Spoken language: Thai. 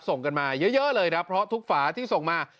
ส่งกันมาเยอะเลยครับเพราะทุกฝาที่ส่งมา